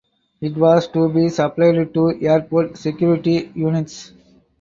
It was to be supplied to airport security units.